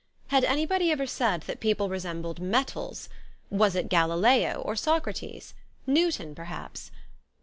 Had anybody ever said that people resembled metals ? Was it Galileo, or Socrates ? Newton perhaps.